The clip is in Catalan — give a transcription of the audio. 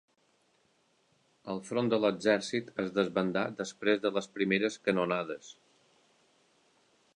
El front de l'exèrcit es desbandà després de les primeres canonades.